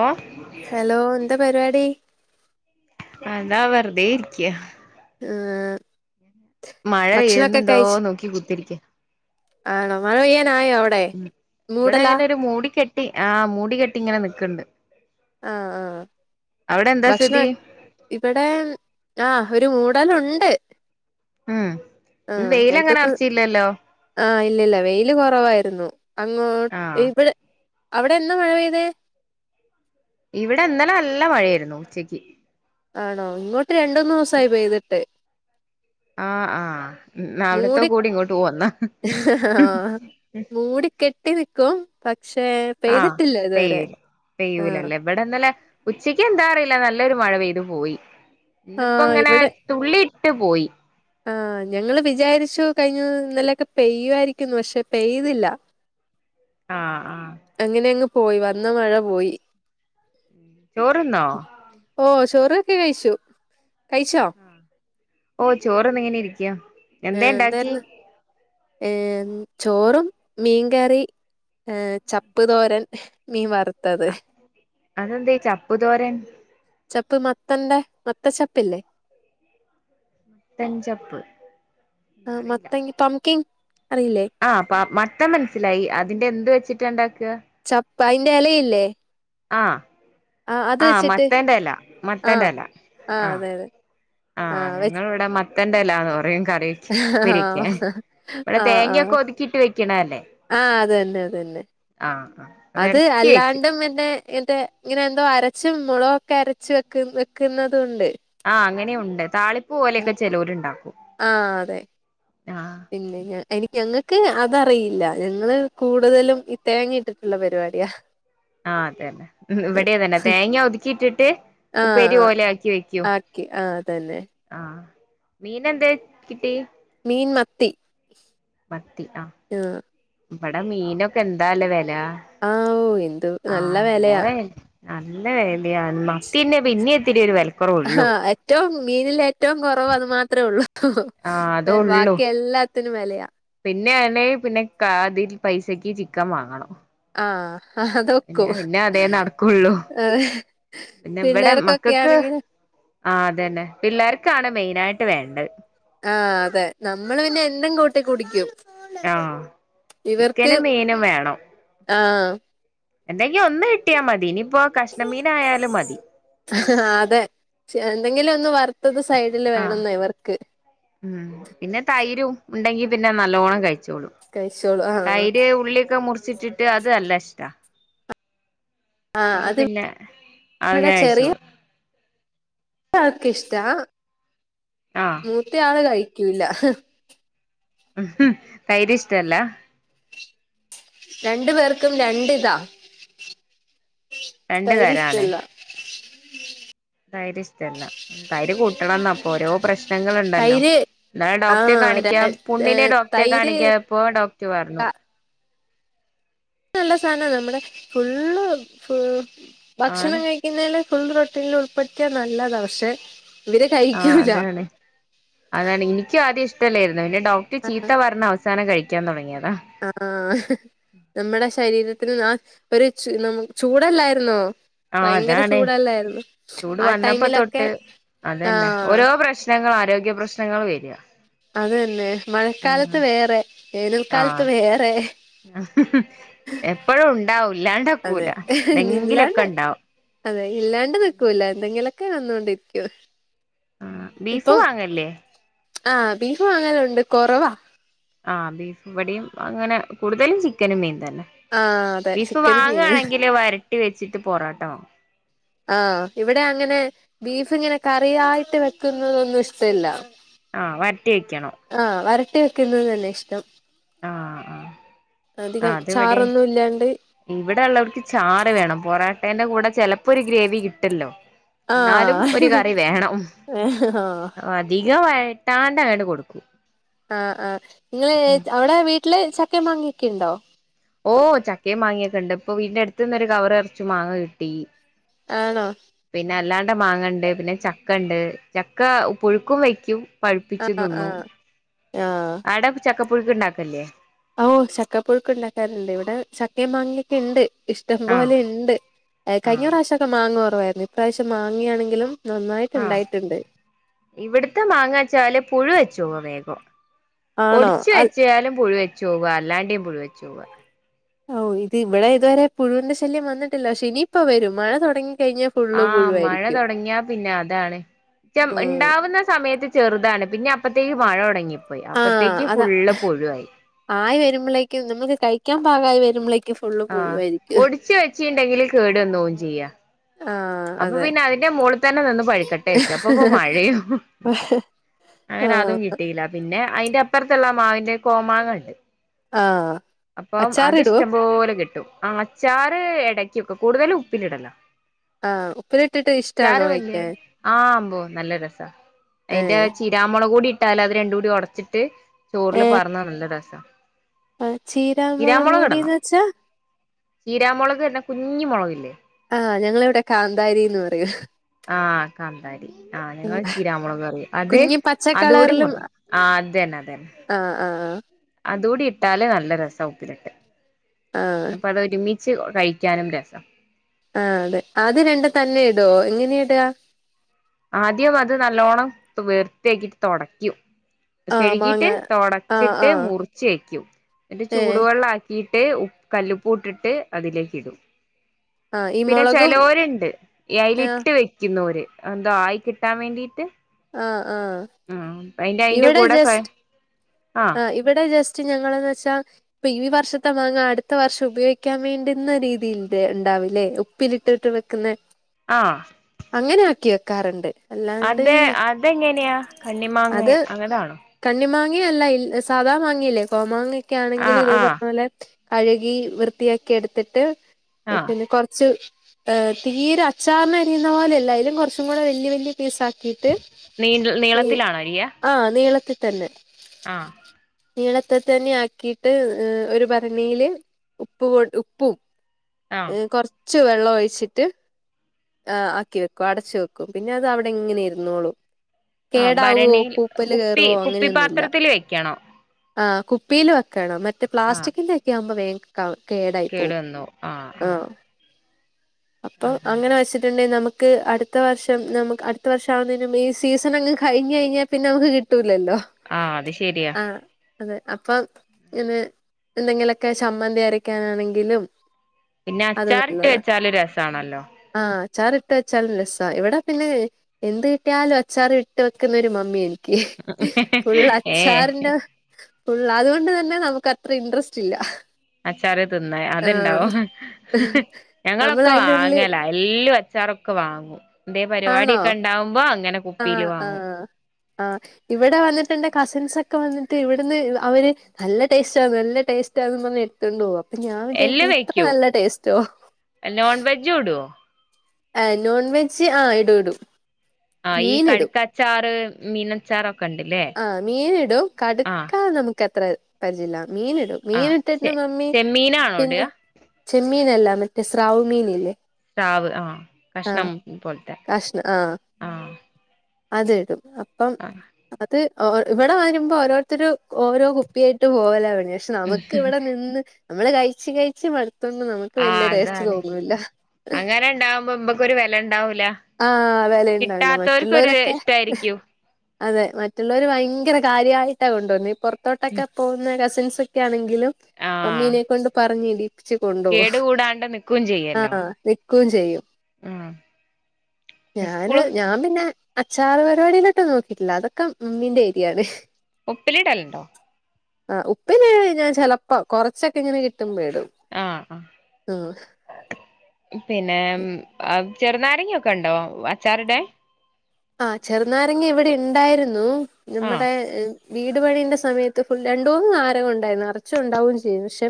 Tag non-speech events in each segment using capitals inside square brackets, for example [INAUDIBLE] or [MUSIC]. ഓ hello എന്താ പരിപാടി അതാ വെറുതെ ഇരിക്കിയ മം മഴ പെയ്യുന്നുണ്ടോ നോക്കി കുത്തിരിക്ക ആണോ മഴ പെയ്യാൻ ആയോ അവിടെ മം ഇവിടെ മൂടലാ അങ്ങനെ ഒരു മൂടി കെട്ടി ആ മൂടി കെട്ടി ഇങ്ങനെ നിക്കണ്ട് ആഹ് ആഹ് അവിടെ എന്താ സ്ഥിതി ഭക്ഷണ- ഇവിടെ ആഹ് ഒരു മൂടലുണ്ട് ഉം ഇന്ന് വെയിലങ്ങനെ അറച്ചിയില്ലല്ലോ ആ ഇല്ലില്ല വെയില് കൊറവായിരുന്നു, അങ്ങോട്ട് ആഹ് ഇവിടെ അവിടെന്നാ മഴ പെയ്തേ ഇവിടിന്നലെ നല്ല മഴയായിരുന്നു ഉച്ചക്ക് ആണോ ഇങ്ങോട്ട് രണ്ടൂന്ന് ദിവസമായി പെയ്തിട്ട് ആ ആ അവിടത്തെ മൂടി കൂടി ഇങ്ങോട്ട് പോന്ന മൂടി കെട്ടി നിക്കും പക്ഷെ പെയ്തിട്ടില്ല ഇതുവരെ ആഹ് ഇവടെന്നലെ ഉച്ചക്ക് എന്താ അറിയില്ല നല്ലൊരു മഴ പെയ്ത് പോയി ഇന്നിപ്പോ ആഹ് ഇങ്ങനെ തുള്ളിയിട്ടു പോയി ആ ഞങ്ങള് വിചാരിച്ചു കഴിഞ്ഞു ഇന്നലൊക്കെ പെയ്യുമായിരിക്കുന്നു പക്ഷെ പെയ്തില്ല ആ ആ അങ്ങനെയങ്ങ് പോയി വന്ന മഴ പോയി ചോറുന്നോ ഓ ചോറൊക്കെ കയിച്ചു കയിച്ചോ ഓ ചോറുണ്ണിങ്ങനെ ഇരിക്കയാ ആ എന്തായിരുന്നു ഏ ചോറും മീൻകറി ഏഹ് ചപ്പു തോരൻ മീൻ വറുത്തത് അതെന്താ ഇ ചപ്പു തോരൻ ചപ്പ് മത്തൻന്റെ മത്ത ചപ്പില്ലേ മത്തൻ ചപ്പ് ആ അറിയില്ല മത്തങ്ങ പംകിങ് അറിയില്ലേ ആ അപ്പ മത്തൻ മനസ്സിലായി അതിന്റെ എന്ത് വെച്ചിട്ട് ഉണ്ടാക്കുക ചള്ള അയിന്റെഎലയില്ലേ ആഹ് ആഹ് വെച്ചിട്ട് മത്തന്റെ എല ആ മത്തന്റെ എല ആ അതെ അതെ ആ ഞങ്ങളെയിവിടെ മത്തന്റെ എലാന്ന് പറയും കറി ഉപ്പരിക്കെ ഇവിടെ ആ ആ ആ തേങ്ങൊക്കെ ഒതുക്കിട്ട് വെക്കണ അല്ലേ ആ അത് തന്നെ അത് തന്നെ ആ അത് ഇടക്ക് വെക്കും അല്ലാണ്ടും പിന്നെ ഇങ്ങത്തെ ഇങ്ങനെ എന്തോ അരച്ചും മുളകൊക്കെ അരച്ച് വെക്ക വെക്കുന്നതും ഉണ്ട് ആ അങ്ങനെഉണ്ട് താളിപ്പ് പോലെയൊക്കെ ചെലോരുണ്ടാക്കും ആ അതെ ആഹ് ആഹ് പിന്നെ ഞ എനിക്ക് ഞങ്ങൾക്ക് അതറിയില്ല ഞങ്ങള് കൂടുതലും ഈ തേങ്ങയിട്ടിട്ടുള്ള പരിപാടിയാ ആ അതെന്നെ ഉം ഇവിടെയതന്നെ തേങ്ങ ഒതുക്കിയിട്ടിട്ട് ഉപ്പേരി പോലെ ആക്കി വെക്കും ആ തന്നെ ആഹ് മീന് എന്തേ കിട്ടി മീൻ മത്തി മത്തി ആഹ് ഇവിടെ മീനൊക്കെ എന്താല്ലേ വെല ആഹ് ഓഹ് എന്ത്‌ നല്ല വെലയാ നല്ല വെലയ മത്തിന്നെ പിന്നെ ഇത്തിരി ഒരു ആഹ് വിലക്കുറവുള്ളു ഏറ്റവും മീനില ഏറ്റവും കൊറവ് അത് മാത്ര ഉള്ളൂ ആഹ് ഏഹ് അതേള്ളൂ ബാക്കി എല്ലാത്തിനും വെലയാ പിന്നെ അണെ പിന്നെ കാ അതിൽ പൈസക്ക് ചിക്കൻ വാങ്ങണം ആഹ് ആ പിന്നെ അതൊക്കും പിന്നെ അതേ നടക്കുള്ളൂ ആഹ് പിന്നെ ഇവിടെ മക്കൾക്ക് പിള്ളേർക്കൊക്കെയാണെങ്കിലു ആഹ് അതന്നെ പിള്ളേർക്കാണ് മെയിനായിട്ട് വേണ്ടത് ആ അതെ നമ്മള് പിന്നെ എന്തും കൂട്ടി കുടിക്കും ആഹ് ഇവർക്ക് ചിക്കനും മീനും വേണം ആഹ് എന്തെങ്കി ഒന്ന് കിട്ടിയാ മതി ഇനിപ്പോ കഷ്ണമീനായാലും മതി അതെ പക്ഷേ എന്തെങ്കിലും ഒന്ന് വറുത്തത് സൈഡില് ആഹ് വേണന്ന് ഇവർക്ക് ഉം പിന്നെ തൈരും ഉണ്ടെങ്കി പിന്നെ നല്ലോണ്ണം കഴി ച്ചോളും കഴിച്ചോളൂ ആഹ് തൈര് ഉള്ളിയൊക്കെ മുറിച്ചിട്ടിട്ട് അത് നല്ല ഇഷ്ടാ ആ അപ്പൊ അത് പിന്നെ അങ്ങനെ ഇവിടെ ചെറിയ കഴിച്ചോളും ആള്ക്കിഷ്ട്ടാ ആഹ് മൂത്തയാള് കഴിക്ക്യൂല തൈര് ഇഷ്റ്റല്ലാ രണ്ട്പേർക്കും രണ്ടിതാ രണ്ട് തൈര് തരാണ് ഇഷ്റ്റല്ല തൈര് ഇഷ്റ്റല്ല ഉം തൈര് കൂട്ടണംന്നപ്പൊ ഓരോ പ്രശ്നങ്ങള്ണ്ടല്ലോ തൈര് ആഹ് ര എന്നാഡോക്റ്റേകാണിക്കാം പുണ്ണിന് ഡോക്റ്റേ തൈര് കാണിക്ക്യാപ്പോ ഡോക്റ്റ്പറഞ്ഞു നല്ല സാനല്ലേ നമ്മുടെ ഫുള്ള് ഫുൾ ഭക്ഷണം ആണ് കഴി ഇന്നലെ ഫുള്ള് റൊട്ടീലുൾപ്പെടുത്തിയാ നല്ലതാ പക്ഷെ ഇവര് ആഹ് കഴിക്കൂല അതാണ് അതാണ് ഇനിക്ക്യാധ്യേ ഇഷ്ടല്ലായിരുന്നു പിന്നെ ഡോക്റ്റ് ചീത്ത പറഞ്ഞഅവ സാനം കഴിക്ക്യാതുടങ്ങിയതാ ആഹ് ആഹ് നമ്മടെ ശരീരത്തിന് ആഹ് ഒരുചു നമ്മ ചൂടല്ലായിരുന്നോ ആഹ് ഭയങ്കര അതാണ് ചൂടല്ലായിരുന്നു ചൂട് ആ ടൈമിലൊക്കെ വന്നപ്പോതൊട്ട് അതന്നെ ആഹ് ഓരോപ്രശ് നങ്ങൾ ആരോഗ്യപ്രശ്നങ്ങള് വെര അതന്നെ മഴക്കാലത്ത് വേറെ വേനൽക്കാലത്ത് ആഹ് വേറെ എപ്പഴും ഉണ്ടാവും അതെ ഇല്ലാണ്ടക്കൂല ഇല്ലാണ്ട് എന്തെങ്കിലൊക്കെ ഇണ്ടാവും അതെ ഇല്ലാണ്ട്നിക്കൂല എന്തെങ്കിലൊക്കെ വന്നോണ്ടിരിക്കും ആഹ് ബീഫ് ഇപ്പം വാങ്ങൽല്ലേ ആഹ് ബീഫ്‌ വാങ്ങലുണ്ട് കൊറവാ ആഹ് ബീഫ് ഇവടിം അങ്ങനെ കൂടുതലുംചിക്കനും മീൻതന്നെ ആഹ് അതെ ബീഫ് ചിക്കനും മീനും വാങ്ങാണെങ്കില് വരട്ടിവെച്ചിട്ട് പൊറാട്ട വാങ്ങും ആഹ് ഇവടെ അങ്ങനെ ബീഫ് ഇങ്ങനെ കറിയായിട്ട് വെക്കുന്നതൊന്നും ഇഷ്ടല്ല ആഹ് വരട്ടി വെക്കണം ആഹ് വരട്ടി വെക്കുന്നത് തന്നെ ഇഷ്ടം ആഹ് ആഹ് അധികം ചാറൊന്നും ഇല്ലാണ്ട് ഇവടെ ഉള്ളോർക്ക് ചാറ് വേണം പൊറാട്ടേന്റെ കൂടെ ചെലപ്പൊ ഒര് ഗ്രേവി കിട്ടല്ലോ ഇന്നാലും ഒരു ആഹ് കറി വേണം ആ അധികം വയട്ടാണ്ട് അങ്ങട്ട് കൊടുക്കും ആഹ് ആഹ് ഇങ്ങള് ഉം അവടെ വീട്ടില് ചക്കയും മാങ്ങിയൊക്കെണ്ടോ ഓഹോ ചക്കയും മാങ്ങിയൊക്കെണ്ട് ഇപ്പൊ വീട്ടിന്റെ അടുത്ത്ന്നൊരു കവറ് നർച്ചും മാങ്ങ കിട്ടി ആണോ പിന്നെ അല്ലാണ്ട മാങ്ങണ്ട് പിന്നെ ചക്ക ഇണ്ട് ചക്ക പുഴുക്കും വെയ്ക്കും ആ പഴുപ്പിച്ച് ആ തിന്നും ആ ആടെ ചക്കപ്പുഴുക്ക് ഇണ്ടാക്കൽല്ലേ ഓഹ് ചക്കപുഴുക്ക് ഇണ്ടാക്കാല്ണ്ട് ഇവടെ ചക്കയും മാങ്ങിയൊക്കെ ഇണ്ട് ഇഷ്ടം ആഹ് പോലെ ഇണ്ട് കഴിഞ്ഞ ആഹ് പ്രാവശ്യക്കെ മാങ്ങകൊറവായിരുന്നു ഇപ്രാവശ്യം മാങ്ങിയാണെങ്കിലും നന്നായിട്ട് ഇണ്ടായിട്ട്ണ്ട് ഇവിടെത്തെ മാങ്ങച്ചാല് പുഴു വെച്ചോവ വേഗം ആണോ അത് ഒടിച്ചുവെച്ചാലും പുഴുവെച്ചോവ അല്ലാണ്ടിം പുഴുവെച്ചോവ ആഹ് ഇവടെ ഇതുവരെ പുഴുവിന്റെ ശല്യം വന്നിട്ടില്ല പക്ഷെ ഇനി ഇപ്പം വെരും മഴ തുടങ്ങി കഴിഞ്ഞാ ഫുള്ളും ആഹ് പുഴുവായിരിക്കും ച്ചം ഉം ഇണ്ടാവുന്ന സമയത്ത് ചെറുതാണ് പിന്നെ അപ്പത്തേക്ക് മഴ തുടങ്ങിപ്പോയി ആ അപ്പത്തേക്ക് അതാ ഫുള്ള് പുഴു ആയി ആയി വെരുമ്പളേക്കും നമ്മക്ക് കഴിക്ക്യാൻ പാകായി വെരുമ്പളേ ആഹ് ഒടിച്ച് വെച്ചിണ്ടെങ്കില് കേട് വന്നോവും ചെയ്യ ആ അപ്പൊ അതെ പിന്നെ അതിന്റെ മോള്തന്നെ നിന്ന് പഴ്‌ക്കട്ടെ വെച്ചു അപ്പൊ ഇപ്പൊ മഴയും അങ്ങനെ അതും ആഹ് കിട്ടിയില്ല പിന്നെ അയിന്റെ അപ്പർത്ത്ള്ള മാവിന്റെ കോമാങ്ങണ്ട് ആഹ് അപ്പം അത് അച്ചാറിടുവോ ഇഷ്ട്ടം പോലെ കിട്ടും അച്ചാറ് എടക്ക്യോക്കെ കൂടുതലും ഉപ്പിലിടലാ ആഹ് ഉപ്പിലിട്ടിട്ട് അച്ചാറ് ഇഷ്ടാണോ വെല്ല്യ കഴിക്കാൻ ആഹ് അമ്പോ നല്ല രസാ അയിന്റെ ഏഹ് ചി ചീനാ മൊളകൂടി ഇട്ടാല് അത് രണ്ടൂടി ഒടച്ചിട്ട് ചോറില് ഏഹ് പാർന്ന നല്ല രസാ ആഹ് ചീരാമൊളക് പൊടീന്ന് വെച്ചാ ചീരാമൊളക് പർഞ്ഞ കുഞ്ഞി മൊളകില്ലേ ആഹ് ഞങ്ങളെ ഇവിടെ കാന്താരീന്ന് പറയും ആഹ് കാ‍ന്താരി ആഹ് ഞങ്ങൾ ചീരാമുളക് പറയും അത് കുഞ്ഞി പച്ച അതൂടി കളറിലും മുറി ആഹ് അതന്നെ അതന്നെ ആഹ് ആഹ് ആഹ് അതൂടി ഇട്ടാല് നല്ല രസാ ഉപ്പിലിട്ടത് ആഹ് അപ്പ അതൊരുമിച്ചു കഴിക്കാനും രസം ആഹ് അതെ അതുരണ്ടും തന്നെ ഇടോ എങ്ങനെയാ ഇട ആദ്യം അത് നല്ലോണ്ണം വൃത്തിയാക്കിയിട്ട് തൊടയ്ക്കും ആഹ് കഴുകീട്ട് മാങ്ങ ആഹ് തുടച്ചിട്ട് ആഹ് മുറിച്ചുവെക്കും എന്നിട്ട് ഏഹ് ചൂടുവെള്ള ക്കിയിട്ട് ഉ കല്ലുപ്പു ഇട്ടിട്ട് അതിലേക്കിടും ആഹ് ഈ പിന്നെ മുളകും ചെലോര്ണ്ട് ആഹ് അയിലിട്ടു വെക്കുന്നോര് എന്തോ ആയി കിട്ടാൻ വേണ്ടിയിട്ട് ആഹ് ആഹ് ഉം അയിന്റെ അയിന്റെ ഇവിടെ കൂടെ ജസ്റ്റ് ഫ്രൈ ആഹ് ഇവിടെ ജസ്റ്റു ഞങ്ങളെന്നു വെച്ചാ ഇപ്പൊ ഈ വർഷത്തെ മാങ്ങ അടുത്ത വർഷം ഉപയോഗിക്കാൻ വേണ്ടുന്ന രീതിയിലുണ്ടാവില്ലേ ഉപ്പ് ഉപ്പിലിട്ടട്ട് വെക്കുന്നെ ആഹ് അങ്ങനെയാക്കി വെയ്ക്കാറെണ്ട് അതേ അതെങ്ങനെയാ കണ്ണിമാങ്ങേ അങ്ങതാണോ കണ്ണിമാങ്ങിയല്ല ഇൽ സാദാ മാങ്ങയില്ലേ കോമാങ്ങായൊക്കെയാണെങ്കിലും ആഹ് ഇതേ ആഹ് പറഞ്ഞപോലെ കഴകി വൃത്തിയാക്കി എടുത്തിട്ട് ആഹ് പിന്നെ കൊറ ച്ച് ഏഹ് തീരെ അച്ചാറിനരിയുന്ന പോലെയല്ല അയ്ലും കൊറച്ചുംകൂടെ വല്ല്യ വല്ല്യ പീസാക്കീട്ട് നീ ഈ നീളത്തിലാണോ അരിയ ആഹ് നീളത്തി തന്നെ ആഹ് നീളത്തതന്നെയാക്കിയിട്ട് എഹ് ഒരു ഭരണിയില് ഉപ്പ് കൊടു ഉപ്പും ആഹ് എഹ് കൊറച്ച് വെള്ളവൊഴിച്ചിട്ട് ആഹ് ആക്കി വെക്കും അടച്ചു വെക്കും പിന്നെ അത് അവിടെ ഇങ്ങനെ ഇരുന്നോളും ആഹ് കേടാവോ ഭരണിയിൽ പൂപ്പല് കുപ്പി കേറുവോ കുപ്പിപാത്രത്തില് വെയ്ക്കണം ആഹ് കുപ്പിയില് വെക്കണം. മറ്റെ ആഹ് പ്ലാസ്റ്റിക്കിന്റെ എക്കെയാവുമ്പൊ വേ [UNINTELLIGIBLE] കേടായി പോവും ആഹ് അപ്പൊ അങ്ങനെ വെച്ചിട്ടിണ്ടെ നമു ക്ക് അടുത്ത വർഷം നമുക്ക് അടുത്ത വർഷം ആവുന്നതിനു മുമ്പ് ഈ സീസണങ്ങു കഴിഞ്ഞു കഴിഞ്ഞാ പിന്നെ നമുക്ക് കിട്ടൂലല്ലൊ ആഹ് അത് ശെരി ആഹ് അതെ അപ്പൊ ഇങ്ങനെ എന്തെങ്കിലൊക്കെ ചമ്മന്തിയരക്കാനാണെങ്കിലും പിന്നെ അച്ചാറിട്ടു വെച്ചാല് രസാണല്ലൊ ആഹ് അച്ചാറിട്ടു വച്ചാലും രസാ ഇവിട പിന്നേ എന്തുകിട്ടിയാലും അച്ചാറിട്ടുവെക്കുന്നൊരു മമ്മിയാ എനിക്ക് ഫുള്ളച്ചാ ഏഹ് ഫുള്ളാ അതുകൊണ്ടു തന്നെ നമുക്കത്ര ഇൻട്രസ്റ്റില്ല അച്ചാറു തിന്നാൻ അതിണ്ടാവും നമ്മള് ഞങ്ങളൊക്കെ അയിന്റെ ഉള്ളില് വാങ്ങലായ് [UNINTELLIGIBLE] അച്ചാറൊക്കെ വാങ്ങും. ഇതേ ആണോ പരിപാടിയൊക്കെ എണ്ടാവുമ്പൊ അങ്ങനെ കുപ്പിയില് ആഹ് വാങ്ങും ആഹ് ആഹ് ഇവിടെ വന്നിട്ടെന്റെ കസിൻസൊക്കെ വന്നിട്ട് ഇവിടുന്ന് അവര് നല്ലടേസ്റ്റാ നല്ലടേസ്റ്റാന്നും പറഞ്ഞെടുത്തോണ്ടു പോവും അപ്പൊ ഞാൻ എല്ലും വിചാരിക്കും ഇത്ര വെക്കൂ നല്ല ടേസ്റ്റോ നോൺ വെജ്ജും ഇടുവോ ആഹ് നോൺവെജ്ജ്‌ ആഹ് ഇടും ഇടും ആഹ്ഈ മീൻ ഇടും കടുക്കയച്ചാറ് മീനച്ചാറൊക്കെ എണ്ടില്ലേ ആഹ് മീനിടും കടുക്ക നമുക്കത്ര പരിചയില്ല. മീനിടും ആ മീനിട്ടട്ട് ചെ മമ്മി ചെമ്മീനാണോ പിന്നെ ഇടുക ചെമ്മീനല്ല മറ്റെ സ്രാവു മീനില്ലേ സ്രാവ് ആഹ് ആഹ് കഷ്ണം പോലത്തെ ആഹ് അതിടും അപ്പം അത് ആഹ് അഹ് ഇവിടെ വരുമ്പോ ഓരോരുത്തര് ഓരോ കുപ്പിയായിട്ട് പോവലാ [UNINTELLIGIBLE] പക്ഷെ നമു‌ക്കിവിടെ നിന്ന് നമ്മള് കഴിച്ച് കഴിച്ച് മടുത്തോണ്ട് നമു ആഹ് അതാണ് അങ്ങനെ ഇണ്ടാവുമ്പൊ ഇമ്മക്കൊരു വെല എണ്ടാവൂല ആഹ് വെലെണ്ടാവില്ല മറ്റുള്ളരൊക്കെ ഇഷ്ടായിരിക്കും അതെ മറ്റുള്ളവര് ഭയങ്കര കാര്യായിട്ടാ കൊണ്ടുപോന്നേ ഈ പൊറത്തോട്ടക്കെ പോകുന്ന കസിൻസൊക്കെ ആണെങ്കി ലും ആ മമ്മീനെ കൊണ്ട് പറഞ്ഞ് ഇടീപ്പിച്ച് കൊണ്ടുപോ കേട് കൂടാണ്ട് നിക്കും ചെയ്യല്ലോ ആഹ് നി ക്കും ചെയ്യും ആഹ് ഞാന് സ്കൂള് ഞാൻ പിന്നെ അച്ചാറ് പരിപാടിയിലോട്ടൊന്നും നോക്കിട്ടില്ല അതൊക്കെ ഉമ്മീന്റെ ഏരിയാണ് ഉപ്പിലിടലെണ്ടോ ആഹ് ഉപ്പില് ഞാൻ ചെലപ്പം കൊറച്ചൊക്കെ ഇങ്ങനെ കിട്ടുമ്പയിടും ആഹ് ആഹ് പിന്നെം ആഹ് ചെറുനാരങ്ങൊക്കെ ഉണ്ടോ അച്ചാറിടെ ആഹ് ചെറുനാരങ്ങ ഇവിടെണ്ടായിരുന്നു ആഹ് ഞമ്മുടെ വീട് പണീന്റെ സമയത്ത് ഫുൾ രണ്ടൂന്ന് നാരങ്ങുണ്ടാരുന്നു നെറച്ചും ഉണ്ടാവും ചെയ്യും പക്ഷേ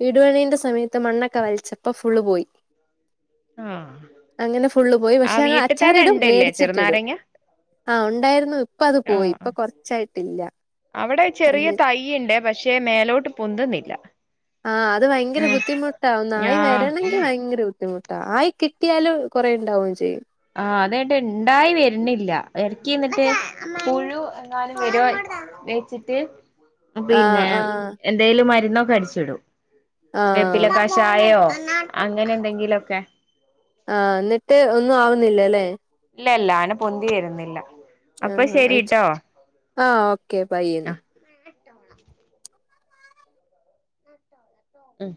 വീടു പണീന്റെ സമയത്ത് മണ്ണൊക്കെ വലിച്ചപ്പോ ഫുള്ള് പോയി ആഹ് അങ്ങനെ ഫുള്ള് പോയി പക്ഷേ ആഹ് ഞങ്ങള് വീട്ടിൽ തന്നെ അച്ചാറിടും ഉണ്ടല്ലേ മേടിച്ചിട്ടിടും ചെറുനാരങ്ങ ആഹ് ഒണ്ടായിരുന്നു ഇപ്പ അത് പോയി ആഹ് ഇപ്പ കൊറച്ചായിട്ടില്ല ക്കിണ്ടേ പക്ഷേ മേലോട്ട് പൊന്തുന്നില്ല ആഹ് അത് ഭയങ്കര ഉം ബുദ്ധിമുട്ടാവും ന്നായി ആഹ് വരണെങ്കി ഭയങ്കര ബുദ്ധിമുട്ടാ ആയി കിട്ടിയാലും കൊറേണ്ടാവും ചെയ്യും ആഹ് അതെട്ട് ഇണ്ടായി വരുന്നില്ല എറക്കി എന്നിട്ട് പുഴു എങ്ങാലും വരോ പേച്ചിറ്റ് ആഹ് പിന്നെ ആഹ് എന്തേലും മരുന്നൊക്കെ അടിച്ചിടും ആഹ് വേപ്പിലക്കശ് ചായോ അങ്ങനെ എന്തെങ്കിലൊക്കെ ആഹ് എന്നിട്ട് ഒന്നും ആവുന്നില്ല ലേ ഇല്ല ഇല്ല ആന പൊന്തി വരുന്നില്ല അപ്പൊ ആഹ് അയ്ച്ച് ശരിട്ടോ ആഹ് ഓക്കെ ബൈന്ന് ആഹ് ഉം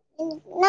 ഉം